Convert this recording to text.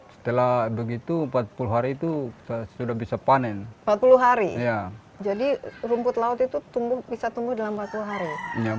setelah begitu empat puluh hari itu sudah bisa panen empat puluh hari jadi rumput laut itu bisa tumbuh dalam satu hari